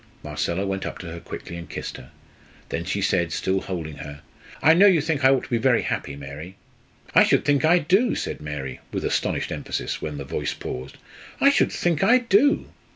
Marcella went up to her quickly and kissed her, then she said, still holding her "I know you think I ought to be very happy, Mary!" "I should think I do!" said Mary, with astonished emphasis, when the voice paused "I should think I do!"